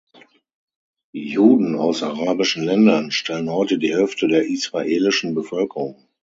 Juden aus arabischen Ländern stellen heute die Hälfte der israelischen Bevölkerung.